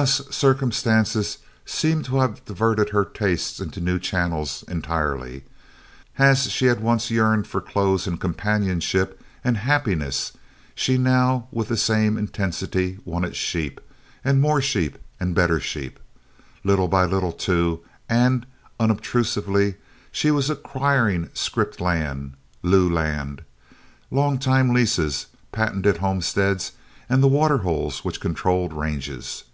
Thus circumstances seemed to have diverted her tastes into new channels entirely. As she had once yearned for clothes, and companionship, and happiness, she now with the same intensity wanted sheep, and more sheep, and better sheep. Little by little, too, and unobtrusively, she was acquiring script land, lieu land, long time leases, patented homesteads, and the water holes which controlled ranges.